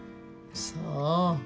そう。